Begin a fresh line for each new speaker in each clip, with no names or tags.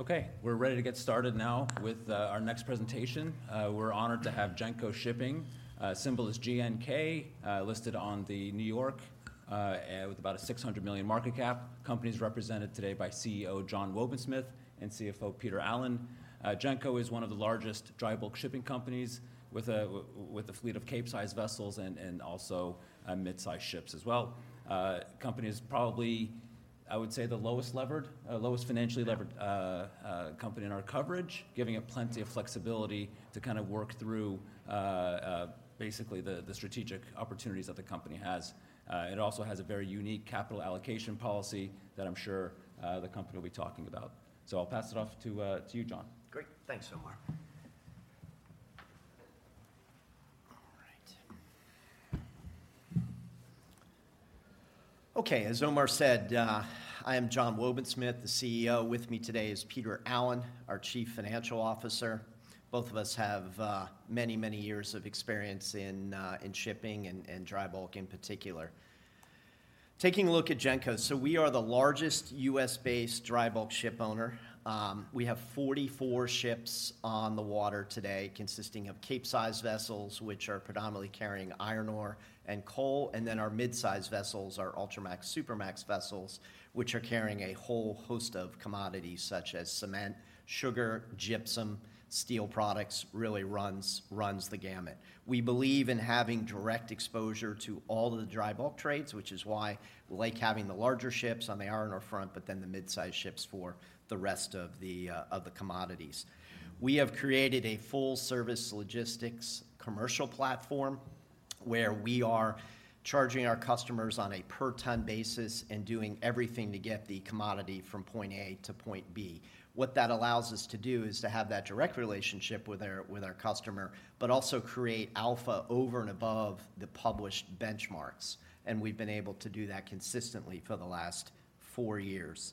Okay, we're ready to get started now with our next presentation. We're honored to have Genco Shipping, symbol is GNK, listed on the New York, with about a $600 million market cap. Company's represented today by CEO John Wobensmith and CFO Peter Allen. Genco is one of the largest dry bulk shipping companies with a fleet of capesize vessels and also midsize ships as well. Company's probably, I would say, the lowest levered, lowest financially levered.
Yeah.
Company in our coverage, giving it plenty of flexibility to kind of work through basically the strategic opportunities that the company has. It also has a very unique capital allocation policy that I'm sure the company will be talking about. So I'll pass it off to you, John.
Great. Thanks, Omar. All right. Okay, as Omar said, I am John Wobensmith, the CEO. With me today is Peter Allen, our Chief Financial Officer. Both of us have many, many years of experience in shipping and dry bulk in particular. Taking a look at Genco, so we are the largest U.S.-based dry bulk shipowner. We have 44 ships on the water today, consisting of capesize vessels, which are predominantly carrying iron ore and coal, and then our midsize vessels, our ultramax, supramax vessels, which are carrying a whole host of commodities such as cement, sugar, gypsum, steel products, really runs the gamut. We believe in having direct exposure to all of the dry bulk trades, which is why we like having the larger ships on the iron ore front, but then the midsize ships for the rest of the commodities. We have created a full-service logistics commercial platform, where we are charging our customers on a per-ton basis and doing everything to get the commodity from point A to point B. What that allows us to do is to have that direct relationship with our customer, but also create alpha over and above the published benchmarks, and we've been able to do that consistently for the last four years.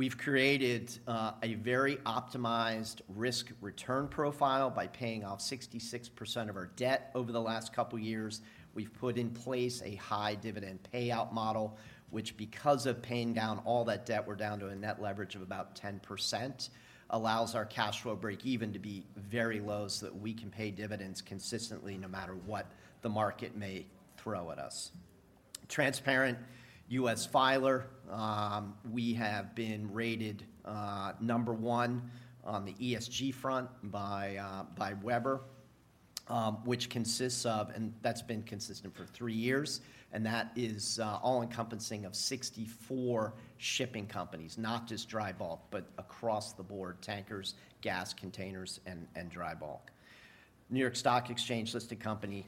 We've created a very optimized risk-return profile by paying off 66% of our debt over the last couple years. We've put in place a high dividend payout model, which, because of paying down all that debt, we're down to a net leverage of about 10%, allows our cash flow breakeven to be very low so that we can pay dividends consistently, no matter what the market may throw at us. Transparent U.S. filer. We have been rated number one on the ESG front by Webber, and that's been consistent for three years, and that is all-encompassing of 64 shipping companies, not just dry bulk, but across the board: tankers, gas, containers, and dry bulk. New York Stock Exchange-listed company,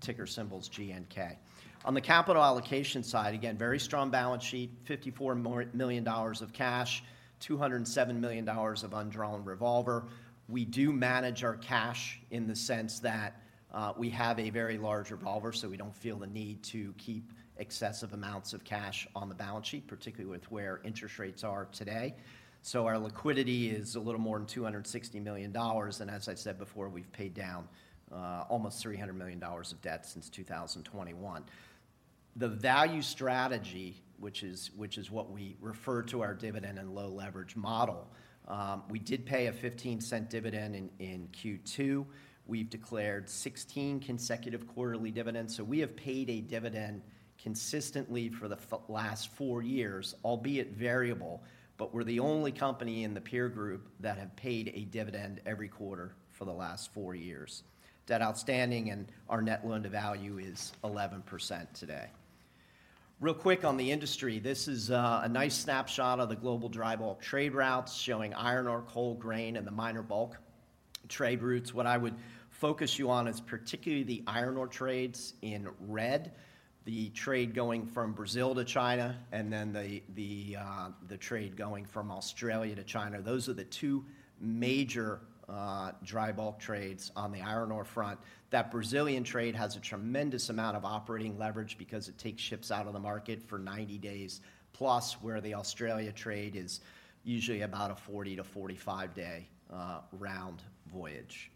ticker symbol's GNK. On the capital allocation side, again, very strong balance sheet, $54 million of cash, $207 million of undrawn revolver. We do manage our cash in the sense that, we have a very large revolver, so we don't feel the need to keep excessive amounts of cash on the balance sheet, particularly with where interest rates are today. So our liquidity is a little more than $260 million, and as I said before, we've paid down, almost $300 million of debt since 2021. The Value Strategy, which is, which is what we refer to our dividend and low-leverage model, we did pay a $0.15 dividend in, in Q2. We've declared 16 consecutive quarterly dividends, so we have paid a dividend consistently for the last four years, albeit variable, but we're the only company in the peer group that have paid a dividend every quarter for the last four years. Debt outstanding and our net loan-to-value is 11% today. Real quick on the industry, this is a nice snapshot of the global dry bulk trade routes, showing iron ore, coal, grain, and the minor bulk trade routes. What I would focus you on is particularly the iron ore trades in red, the trade going from Brazil to China, and then the trade going from Australia to China. Those are the two major dry bulk trades on the iron ore front. That Brazilian trade has a tremendous amount of operating leverage because it takes ships out of the market for 90 days-plus, where the Australia trade is usually about a 40- to 45-day round voyage.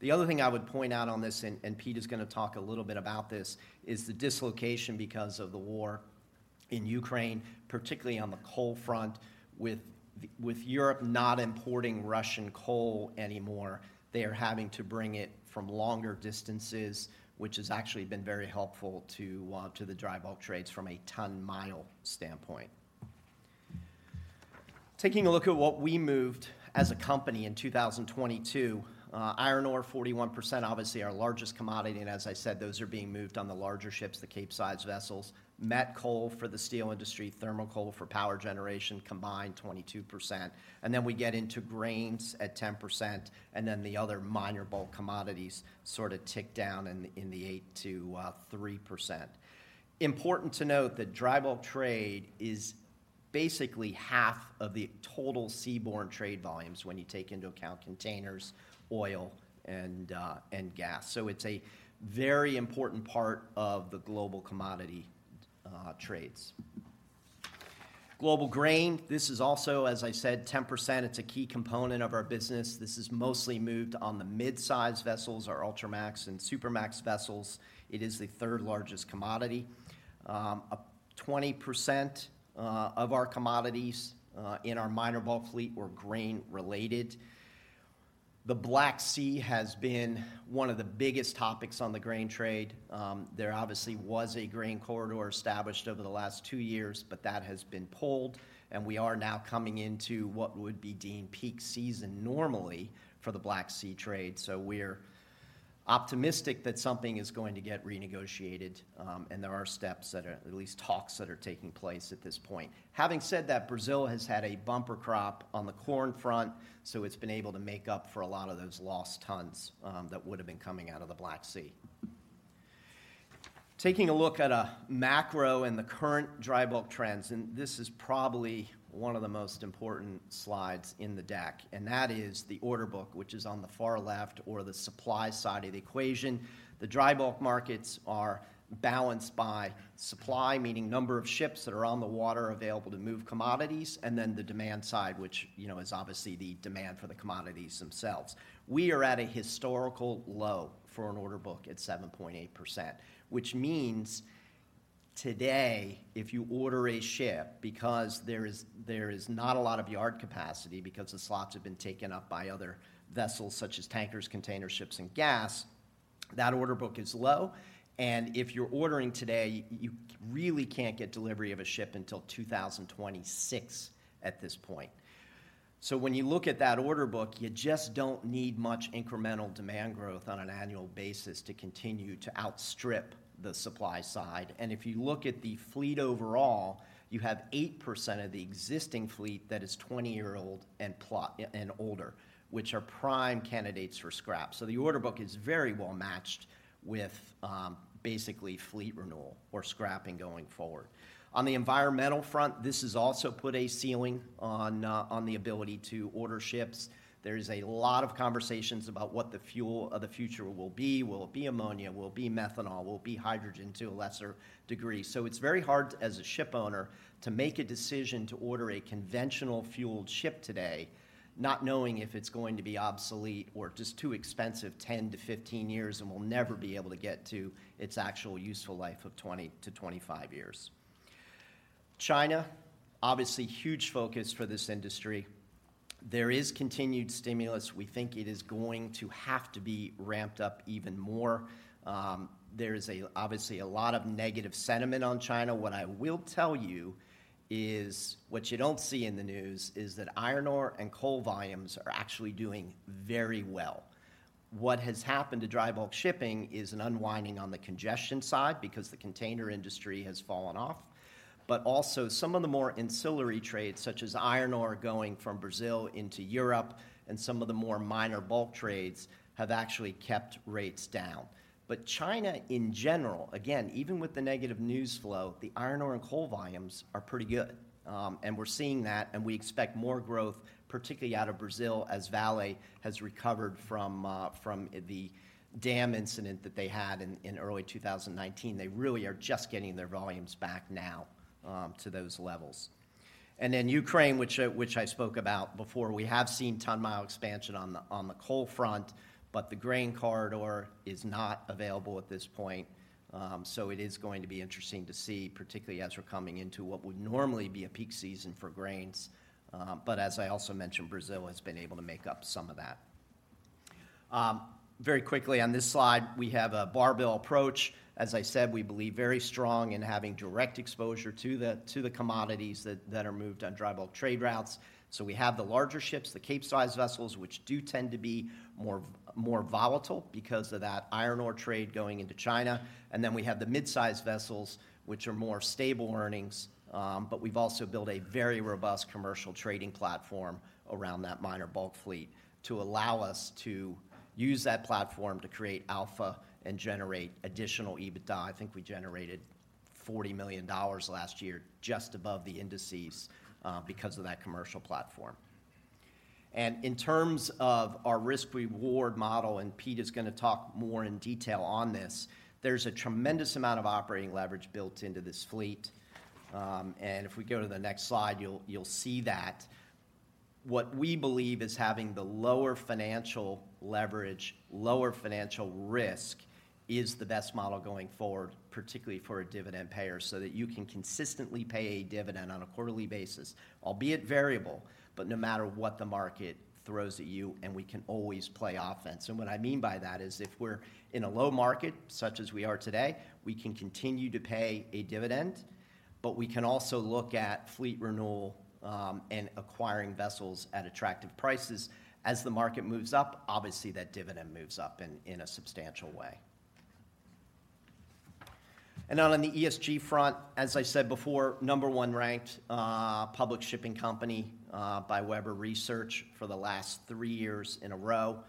The other thing I would point out on this, and, and Pete is gonna talk a little bit about this, is the dislocation because of the war in Ukraine, particularly on the coal front. With, with Europe not importing Russian coal anymore, they are having to bring it from longer distances, which has actually been very helpful to, to the dry bulk trades from a ton-mile standpoint. Taking a look at what we moved as a company in 2022, iron ore, 41%, obviously our largest commodity, and as I said, those are being moved on the larger ships, the capesize vessels. Met coal for the steel industry, thermal coal for power generation, combined, 22%. And then we get into grains at 10%, and then the other minor bulk commodities sort of tick down in, in the 8%-3%. Important to note that dry bulk trade is basically half of the total seaborne trade volumes when you take into account containers, oil, and gas, so it's a very important part of the global commodity trades. Global grain, this is also, as I said, 10%. It's a key component of our business. This is mostly moved on the mid-sized vessels, our ultramax and supramax vessels. It is the third largest commodity. A 20% of our commodities in our minor bulk fleet were grain-related. The Black Sea has been one of the biggest topics on the grain trade. There obviously was a grain corridor established over the last two years, but that has been pulled, and we are now coming into what would be deemed peak season normally for the Black Sea trade. So we're optimistic that something is going to get renegotiated, and there are steps that are at least talks that are taking place at this point. Having said that, Brazil has had a bumper crop on the corn front, so it's been able to make up for a lot of those lost tons that would have been coming out of the Black Sea. Taking a look at a macro and the current dry bulk trends, and this is probably one of the most important slides in the deck, and that is the order book, which is on the far left, or the supply side of the equation. The dry bulk markets are balanced by supply, meaning number of ships that are on the water available to move commodities, and then the demand side, which, you know, is obviously the demand for the commodities themselves. We are at a historical low for an order book at 7.8%, which means today, if you order a ship, because there is not a lot of yard capacity because the slots have been taken up by other vessels such as tankers, container ships, and gas, that order book is low, and if you're ordering today, you really can't get delivery of a ship until 2026 at this point. So when you look at that order book, you just don't need much incremental demand growth on an annual basis to continue to outstrip the supply side. And if you look at the fleet overall, you have 8% of the existing fleet that is 20-year-old and older, which are prime candidates for scrap. So the order book is very well matched with basically fleet renewal or scrapping going forward. On the environmental front, this has also put a ceiling on, on the ability to order ships. There's a lot of conversations about what the fuel of the future will be. Will it be ammonia? Will it be methanol? Will it be hydrogen to a lesser degree? So it's very hard as a ship owner to make a decision to order a conventional fueled ship today, not knowing if it's going to be obsolete or just too expensive 10-15 years and will never be able to get to its actual useful life of 20-25 years. China, obviously huge focus for this industry. There is continued stimulus. We think it is going to have to be ramped up even more. There is obviously a lot of negative sentiment on China. What I will tell you is, what you don't see in the news is that iron ore and coal volumes are actually doing very well. What has happened to dry bulk shipping is an unwinding on the congestion side because the container industry has fallen off. But also, some of the more ancillary trades, such as iron ore going from Brazil into Europe and some of the more minor bulk trades, have actually kept rates down. But China in general, again, even with the negative news flow, the iron ore and coal volumes are pretty good. And we're seeing that, and we expect more growth, particularly out of Brazil, as Vale has recovered from the dam incident that they had in early 2019. They really are just getting their volumes back now to those levels. Then Ukraine, which I spoke about before, we have seen ton-mile expansion on the coal front, but the grain corridor is not available at this point. So it is going to be interesting to see, particularly as we're coming into what would normally be a peak season for grains. But as I also mentioned, Brazil has been able to make up some of that. Very quickly on this slide, we have a barbell approach. As I said, we believe very strong in having direct exposure to the commodities that are moved on dry bulk trade routes. So we have the larger ships, the capesize vessels, which do tend to be more volatile because of that iron ore trade going into China. Then we have the mid-size vessels, which are more stable earnings, but we've also built a very robust commercial trading platform around that minor bulk fleet to allow us to use that platform to create alpha and generate additional EBITDA. I think we generated $40 million last year, just above the indices, because of that commercial platform. In terms of our risk-reward model, and Pete is going to talk more in detail on this, there's a tremendous amount of operating leverage built into this fleet. And if we go to the next slide, you'll see that what we believe is having the lower financial leverage, lower financial risk, is the best model going forward, particularly for a dividend payer, so that you can consistently pay a dividend on a quarterly basis, albeit variable, but no matter what the market throws at you, and we can always play offense. And what I mean by that is if we're in a low market, such as we are today, we can continue to pay a dividend, but we can also look at fleet renewal and acquiring vessels at attractive prices. As the market moves up, obviously that dividend moves up in a substantial way. And on the ESG front, as I said before, number one ranked public shipping company by Webber Research for the last three years in a row.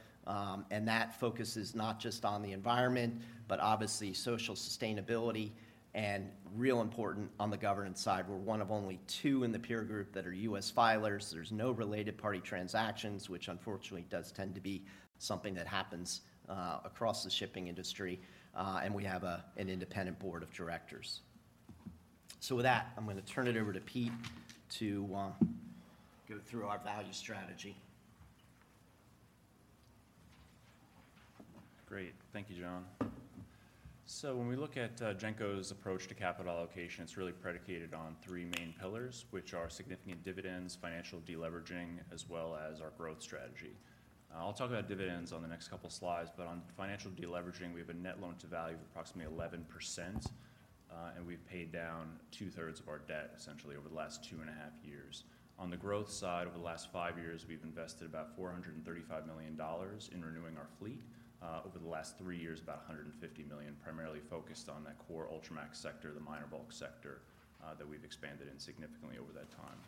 And that focus is not just on the environment, but obviously social sustainability and real important on the governance side. We're one of only two in the peer group that are U.S. filers. There's no related party transactions, which unfortunately does tend to be something that happens across the shipping industry, and we have an independent Board of Directors. So with that, I'm going to turn it over to Pete to go through our Value Strategy.
Great. Thank you, John. So when we look at Genco's approach to capital allocation, it's really predicated on three main pillars, which are significant dividends, financial de-leveraging, as well as our growth strategy. I'll talk about dividends on the next couple slides, but on financial de-leveraging, we have a net loan to value of approximately 11%, and we've paid down 2/3 of our debt essentially over the last two and a half years. On the growth side, over the last five years, we've invested about $435 million in renewing our fleet. Over the last three years, about $150 million, primarily focused on that core ultramax sector, the minor bulk sector, that we've expanded in significantly over that time.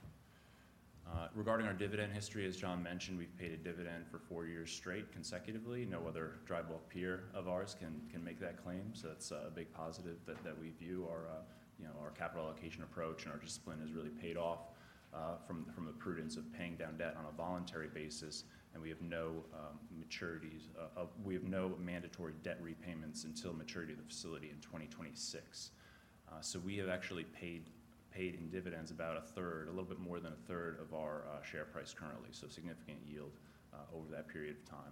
Regarding our dividend history, as John mentioned, we've paid a dividend for four years straight, consecutively. No other dry bulk peer of ours can make that claim, so that's a big positive that we view our you know our capital allocation approach and our discipline has really paid off from the prudence of paying down debt on a voluntary basis, and we have no maturities. We have no mandatory debt repayments until maturity of the facility in 2026. So we have actually paid in dividends about 1/3, a little bit more than 1/3 of our share price currently, so significant yield over that period of time.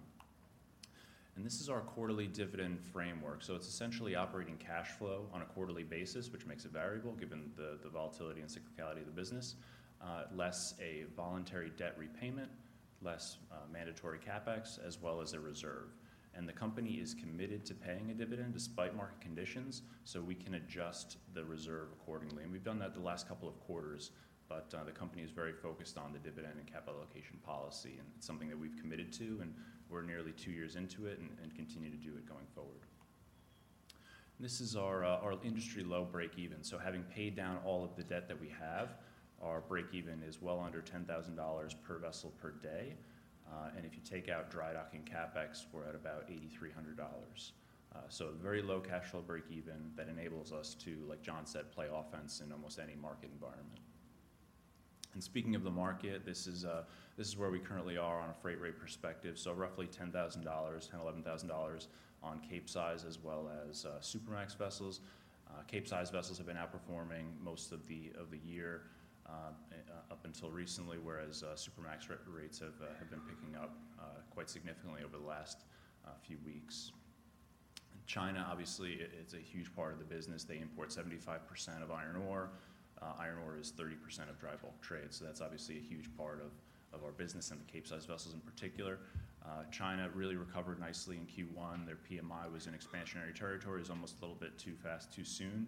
And this is our quarterly dividend framework. So it's essentially operating cash flow on a quarterly basis, which makes it variable, given the volatility and cyclicality of the business, less a voluntary debt repayment, less mandatory CapEx, as well as a reserve. And the company is committed to paying a dividend despite market conditions, so we can adjust the reserve accordingly, and we've done that the last couple of quarters. But the company is very focused on the dividend and capital allocation policy, and it's something that we've committed to, and we're nearly two years into it and continue to do it going forward. This is our industry low break-even. So having paid down all of the debt that we have, our break-even is well under $10,000 per vessel per day, and if you take out dry dock and CapEx, we're at about $8,300. So very low cash flow break-even that enables us to, like John said, play offense in almost any market environment. Speaking of the market, this is where we currently are on a freight rate perspective. So roughly $10,000-$11,000 on capesize, as well as supramax vessels. Capesize vessels have been outperforming most of the year up until recently, whereas supramax rates have been picking up quite significantly over the last few weeks. China, obviously, it's a huge part of the business. They import 75% of iron ore. Iron ore is 30% of dry bulk trade, so that's obviously a huge part of our business and the capesize vessels in particular. China really recovered nicely in Q1. Their PMI was in expansionary territory. It was almost a little bit too fast, too soon,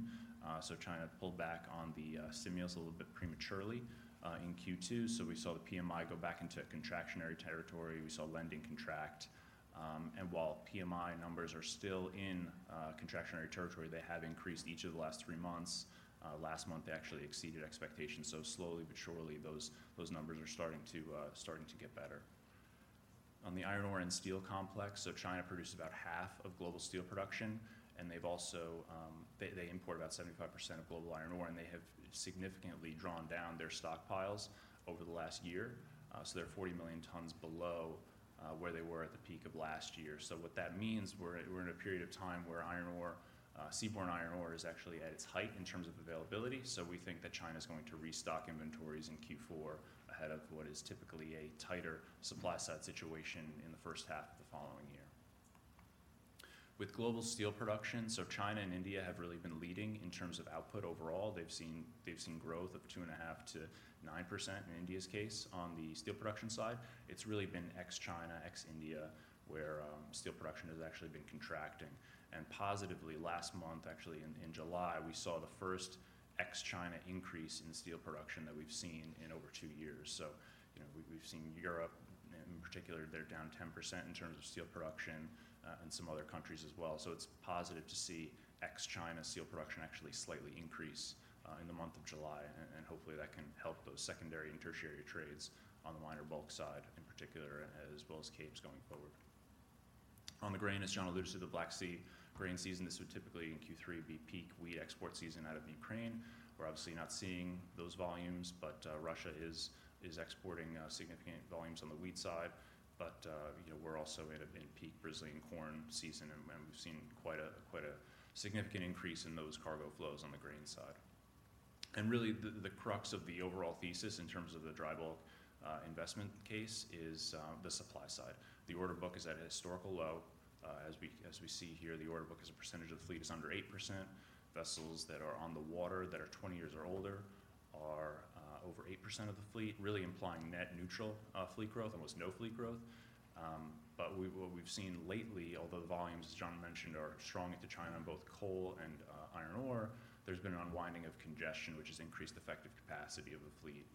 so China pulled back on the stimulus a little bit prematurely in Q2. So we saw the PMI go back into contractionary territory. We saw lending contract, and while PMI numbers are still in contractionary territory, they have increased each of the last three months. Last month, they actually exceeded expectations. So slowly but surely, those numbers are starting to get better. On the iron ore and steel complex, so China produces about half of global steel production, and they've also, they import about 75% of global iron ore, and they have significantly drawn down their stockpiles over the last year. So they're 40 million tons below where they were at the peak of last year. So what that means, we're in, we're in a period of time where iron ore, seaborne iron ore is actually at its height in terms of availability. So we think that China's going to restock inventories in Q4 ahead of what is typically a tighter supply side situation in the first half of the following year. With global steel production, so China and India have really been leading in terms of output overall. They've seen, they've seen growth of 2.5%-9% in India's case. On the steel production side, it's really been ex-China, ex-India, where steel production has actually been contracting. And positively, last month, actually, in, in July, we saw the first ex-China increase in steel production that we've seen in over two years. So, you know, we, we've seen Europe, in particular, they're down 10% in terms of steel production, and some other countries as well. So it's positive to see ex-China steel production actually slightly increase in the month of July, and hopefully, that can help those secondary and tertiary trades on the minor bulk side, in particular, as well as capes going forward. On the grain, as John alluded to, the Black Sea grain season, this would typically in Q3 be peak wheat export season out of Ukraine. We're obviously not seeing those volumes, but Russia is exporting significant volumes on the wheat side. But, you know, we're also in a, in peak Brazilian corn season, and we've seen quite a, quite a significant increase in those cargo flows on the grain side. Really, the crux of the overall thesis in terms of the dry bulk investment case is the supply side. The order book is at a historical low. As we see here, the order book as a percentage of the fleet is under 8%. Vessels that are on the water that are 20 years or older are over 8% of the fleet, really implying net neutral fleet growth, almost no fleet growth. But what we've seen lately, although the volumes, as John mentioned, are strong into China on both coal and iron ore, there's been an unwinding of congestion, which has increased effective capacity of the fleet.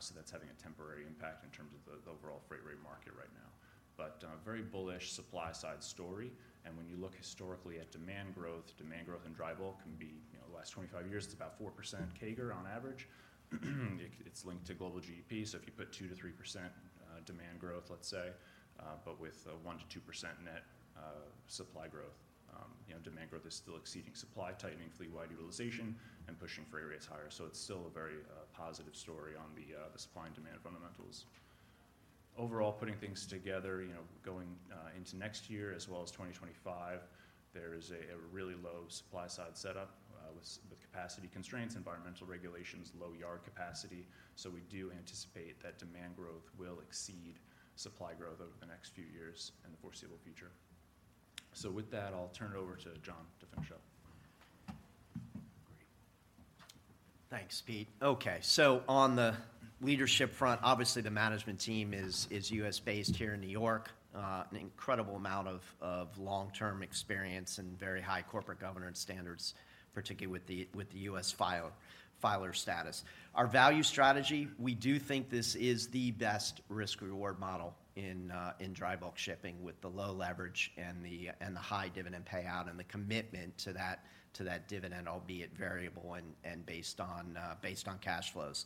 So that's having a temporary impact in terms of the overall freight rate market right now. But very bullish supply side story, and when you look historically at demand growth, demand growth in dry bulk can be, you know, the last 25 years, it's about 4% CAGR on average. It, it's linked to global GDP, so if you put 2%-3%, demand growth, let's say, but with a 1%-2% net, supply growth, you know, demand growth is still exceeding supply, tightening fleet-wide utilization, and pushing freight rates higher. So it's still a very positive story on the supply and demand fundamentals. Overall, putting things together, you know, going into next year, as well as 2025, there is a really low supply side setup, with capacity constraints, environmental regulations, low yard capacity. We do anticipate that demand growth will exceed supply growth over the next few years and the foreseeable future. With that, I'll turn it over to John Wobensmith.
Great. Thanks, Pete. Okay, so on the leadership front, obviously the management team is U.S.-based here in New York. An incredible amount of long-term experience and very high corporate governance standards, particularly with the U.S. filer status. Our Value Strategy, we do think this is the best risk-reward model in dry bulk shipping, with the low leverage and the high dividend payout, and the commitment to that dividend, albeit variable and based on cash flows.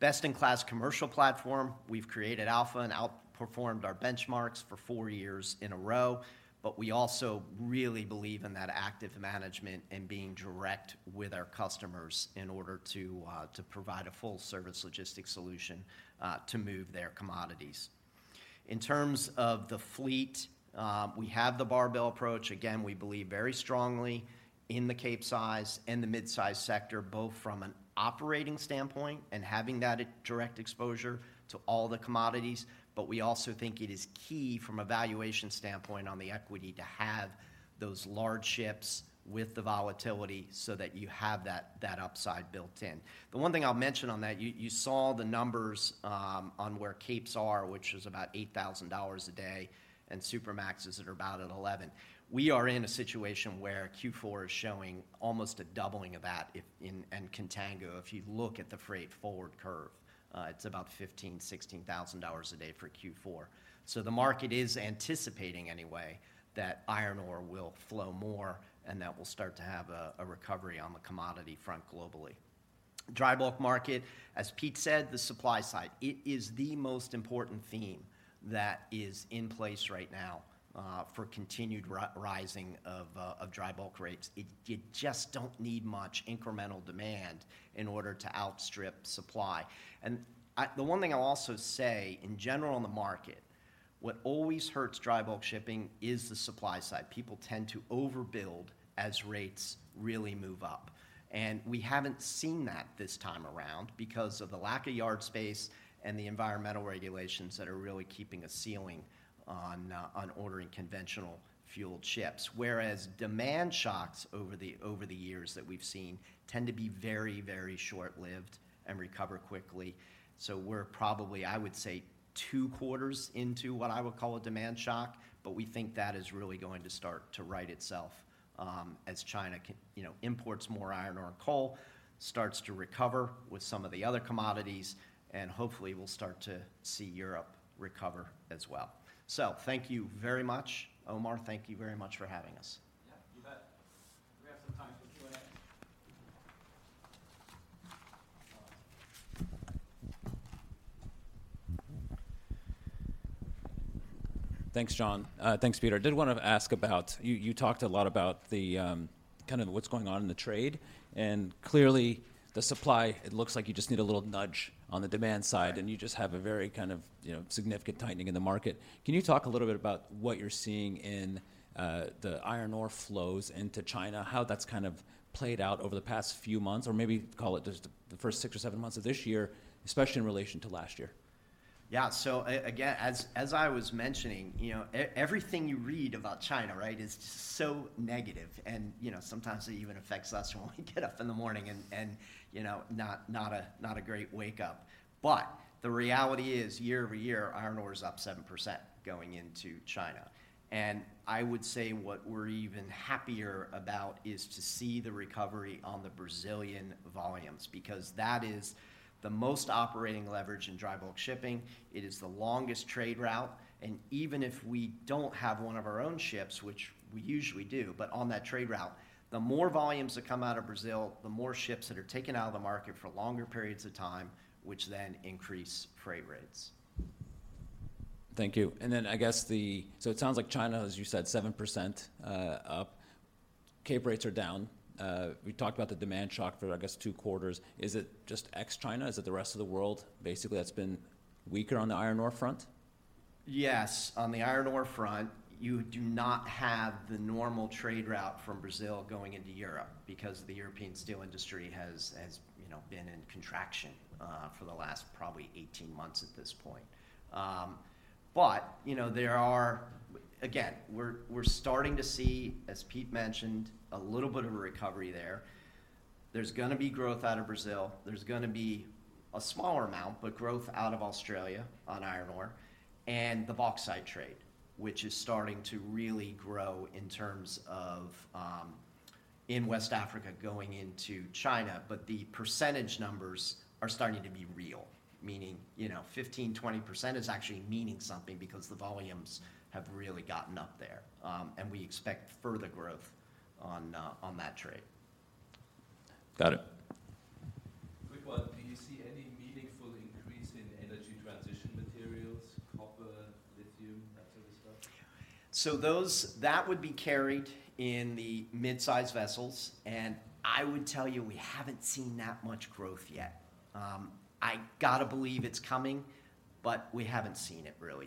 Best-in-class commercial platform. We've created alpha and outperformed our benchmarks for four years in a row, but we also really believe in that active management and being direct with our customers in order to provide a full-service logistics solution to move their commodities. In terms of the fleet, we have the barbell approach. Again, we believe very strongly in the capesize and the mid-size sector, both from an operating standpoint and having that direct exposure to all the commodities. But we also think it is key from a valuation standpoint on the equity to have those large ships with the volatility so that you have that, that upside built in. The one thing I'll mention on that, you saw the numbers, on where capes are, which is about $8,000 a day, and supramaxes are about at eleven. We are in a situation where Q4 is showing almost a doubling of that in contango, if you look at the freight forward curve, it's about $15,000-$16,000 a day for Q4. So the market is anticipating anyway, that iron ore will flow more, and that we'll start to have a recovery on the commodity front globally. Dry bulk market, as Pete said, the supply side, it is the most important theme that is in place right now, for continued rising of dry bulk rates. It, you just don't need much incremental demand in order to outstrip supply. And, the one thing I'll also say, in general in the market, what always hurts dry bulk shipping is the supply side. People tend to overbuild as rates really move up, and we haven't seen that this time around because of the lack of yard space and the environmental regulations that are really keeping a ceiling on ordering conventional-fueled ships. Whereas demand shocks over the years that we've seen tend to be very, very short-lived and recover quickly. So we're probably, I would say, two quarters into what I would call a demand shock, but we think that is really going to start to right itself, as China can, you know, imports more iron ore and coal, starts to recover with some of the other commodities, and hopefully we'll start to see Europe recover as well. So thank you very much. Omar, thank you very much for having us.
Thanks, John. Thanks, Peter. I did want to ask about, you talked a lot about the, kind of what's going on in the trade, and clearly the supply, it looks like you just need a little nudge on the demand side.
Right.
You just have a very kind of, you know, significant tightening in the market. Can you talk a little bit about what you're seeing in the iron ore flows into China, how that's kind of played out over the past few months, or maybe call it just the first six or seven months of this year, especially in relation to last year?
Yeah. So again, as I was mentioning, you know, everything you read about China, right, is so negative, and, you know, sometimes it even affects us when we get up in the morning and, you know, not a great wake up. But the reality is, year-over-year, iron ore is up 7% going into China. And I would say what we're even happier about is to see the recovery on the Brazilian volumes, because that is the most operating leverage in dry bulk shipping. It is the longest trade route, and even if we don't have one of our own ships, which we usually do, but on that trade route, the more volumes that come out of Brazil, the more ships that are taken out of the market for longer periods of time, which then increase freight rates.
Thank you. And then I guess. So it sounds like China, as you said, 7% up. Cape rates are down. We talked about the demand shock for, I guess, two quarters. Is it just ex-China? Is it the rest of the world, basically, that's been weaker on the iron ore front?
Yes, on the iron ore front, you do not have the normal trade route from Brazil going into Europe because the European steel industry has, you know, been in contraction for the last probably 18 months at this point. But, you know, again, we're starting to see, as Pete mentioned, a little bit of a recovery there. There's gonna be growth out of Brazil. There's gonna be a smaller amount, but growth out of Australia on iron ore and the bauxite trade, which is starting to really grow in terms of in West Africa going into China. But the percentage numbers are starting to be real, meaning, you know, 15%, 20% is actually meaning something because the volumes have really gotten up there. And we expect further growth on that trade.
Got it.
Quick one. Do you see any meaningful increase in energy transition materials, copper, lithium, that sort of stuff?
So those, that would be carried in the mid-size vessels, and I would tell you we haven't seen that much growth yet. I gotta believe it's coming, but we haven't seen it really.